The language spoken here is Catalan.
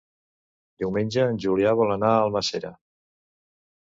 Diumenge en Julià vol anar a Almàssera.